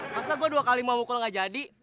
masa gue dua kali mau mukul gak jadi